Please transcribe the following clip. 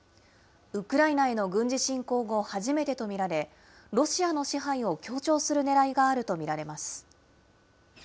ウクライナへの軍事侵攻後、初めてと見られ、ロシアの支配を強調するねらいがあると見られます。